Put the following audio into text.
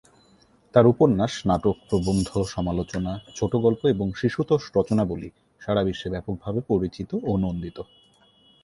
তাঁর উপন্যাস, নাটক, প্রবন্ধ, সমালোচনা, ছোটগল্প এবং শিশুতোষ রচনাবলী সারা বিশ্বে ব্যাপকভাবে পরিচিত ও নন্দিত।